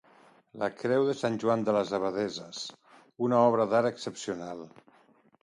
La creu de Sant Joan de les Abadesses: una obra d'art excepcional.